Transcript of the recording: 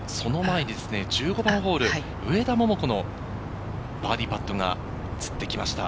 その前に１５番ホール、上田桃子のバーディーパットが映ってきました。